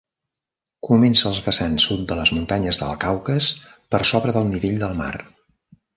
Comença als vessants sud de les muntanyes del Caucas per sobre del nivell del mar.